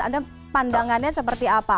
ada pandangannya seperti apa